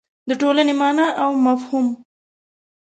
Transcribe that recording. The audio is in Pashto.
د ټولنې مانا او مفهوم